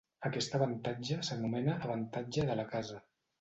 Aquest avantatge s'anomena "avantatge de la casa".